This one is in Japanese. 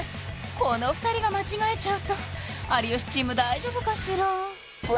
この２人が間違えちゃうと有吉チーム大丈夫かしらどれ？